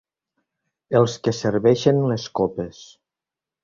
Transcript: Els que serveixen les copes.